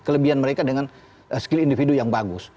kelebihan mereka dengan skill individu yang bagus